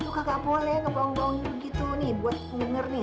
lu kagak boleh ngebong bong gitu nih buat denger nih